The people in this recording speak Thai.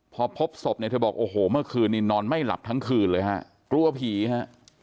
พอพบศพเนี่ยเธอบอกโอ้โหเมื่อคืนนี้นอนไม่หลับทั้งคืนเลยฮะกลัวผีฮะ